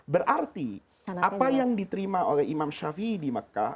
berarti apa yang diterima oleh imam syafi'i di mekah